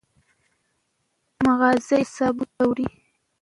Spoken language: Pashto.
مازغه ئې اعصابو ته وړي